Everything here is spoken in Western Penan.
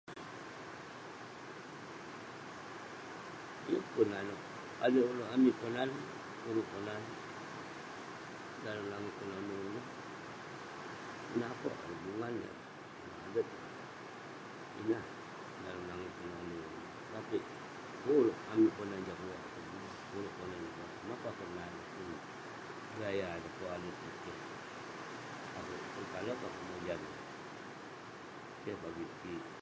Yeng pun nanouk. Adui nouk amik Ponan, ulouk Ponan, dalem langit tenonu ineh, menapok ireh, bungan ireh, [unintelligible] ineh dalem langit tenonu ineh. Tapik pun amik Ponan jah keluak itouk ineh, ulouk Ponan pun gaya pun adet neh keh. Yeng kale peh akouk mojam eh. Keh bagik kik.